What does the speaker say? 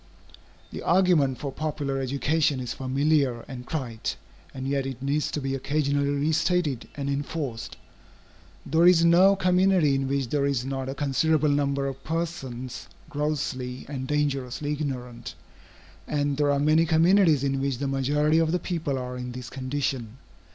The argument for popular education is familiar and trite, and yet it needs to be occasionally re stated and enforced. There is no community in which there is not a considerable number of persons grossly and dangerously ignorant, and there are many communities in which the majority of the people are in this condition.